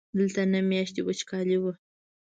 دلته نهه میاشتې وچکالي وه.